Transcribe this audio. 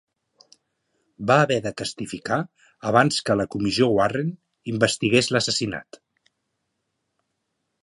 Va haver de testificar abans que la Comissió Warren investigués l'assassinat.